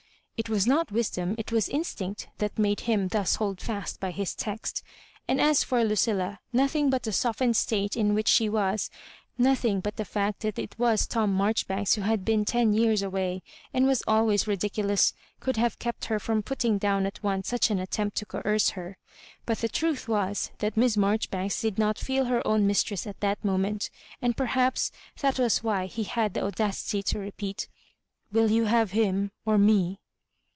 It was not wisdom, it was instinct, that made him thus hold fast by his text; and as for Lu* dlla, nothing but the softened state in which she was, nothing but the fact that it was Tom Marjoribanks who had been ten years away, and was always ridiculous, could have kept her from putting down at once such an attempt to coerce her. But the truth was, that Miss Mar joribanks did not feel her own mistress at that moment, and perhaps that was why he had the audadty to repeat, " Will you have him or me